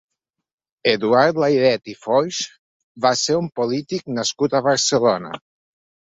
Eduard Layret i Foix va ser un polític nascut a Barcelona.